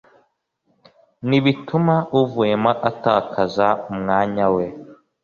ntibituma uvuyemo atakaza umwanya we